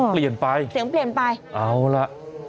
เสียงเปลี่ยนไปเอาละ